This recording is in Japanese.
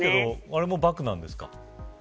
あれもバクなんですか。